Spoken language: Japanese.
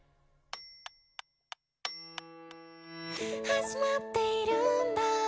「始まっているんだ